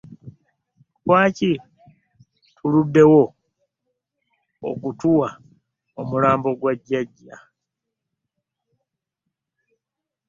Lwaki baluddewo okutuwa omulambo gwa jjajja?